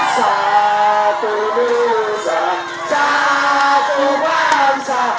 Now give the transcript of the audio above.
satu lusa satu bangsa